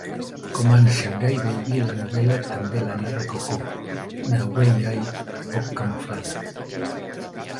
Com en "Shanghai Baby", la novel·la també la narra Coco, una Wei Hui poc camuflada.